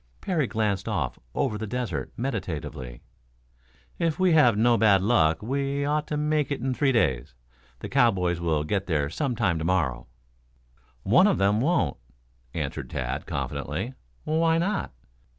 Parry glanced off over the desert meditatively. "If we have no bad luck we ought to make it in three days. The cowboys will get there some time to morrow." "One of them won't," answered Tad, confidently. "Why not?"